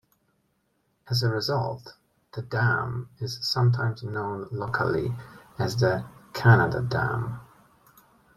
As a result, the dam is sometimes known locally as the "Canada Dam".